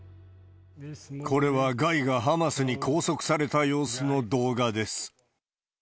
これはガイがハマスに拘束された様子の動画です。